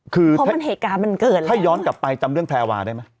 คือเพราะมันเหตุการณ์มันเกินแล้วถ้าย้อนกลับไปจำเรื่องแพรวาได้ไหม